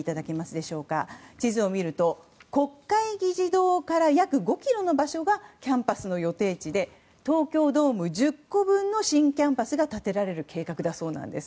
地図を見ると国会議事堂から約５ｋｍの場所がキャンパスの予定地で東京ドーム１０個分の新キャンパスが作られる計画なんだそうです。